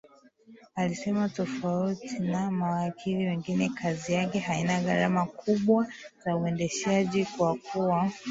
Alisema tofauti na mawakili wengine kazi yake haina gharama kubwa za uendeshaji kwa kuwa